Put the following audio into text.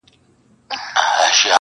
گراني دا هيله كوم.